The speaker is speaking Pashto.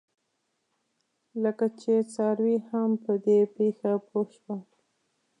لکه چې څاروي هم په دې پېښه پوه شول.